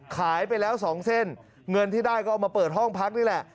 ขายไปแล้ว๒เส้นเงินที่ได้ก็เอามาเปิดห้องพักนี่แหละ